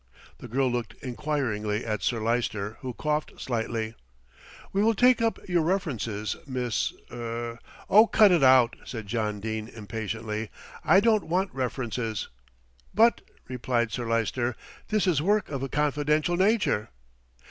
The girl looked enquiringly at Sir Lyster, who coughed slightly. "We will take up your references, Miss er " "Oh! cut it out," said John Dene impatiently, "I don't want references." "But," replied Sir Lyster, "this is work of a confidential nature.".